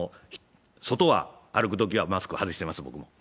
外は歩くときはマスク外してます、僕も。